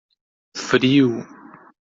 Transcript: Frio